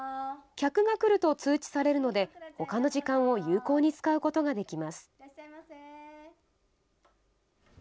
客が来ると、通知されるので、ほかの時間を有効に使うことができます。